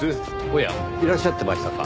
おやいらっしゃってましたか。